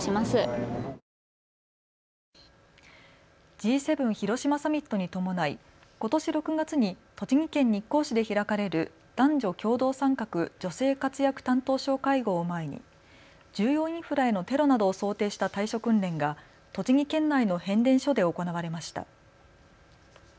Ｇ７広島サミットに伴いことし６月に栃木県日光市で開かれる男女共同参画・女性活躍担当相会合を前に重要インフラへのテロなどを想定した対処訓練が栃木県内の変電所で行われました。